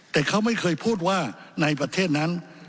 แต่เขาไม่เคยพูดว่าในประเทศนั้น